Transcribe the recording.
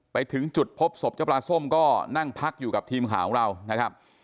ไปถึงจุดพบศพเจ้าปลาส้มก็นั่งพักอยู่กับทีมข่าวของเรานะครับ